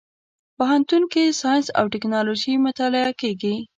پوهنتون کې ساينس او ټکنالوژي مطالعه کېږي.